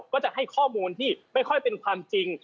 ก็จะให้ข้อมูลที่ไม่ค่อยเป็นความจริง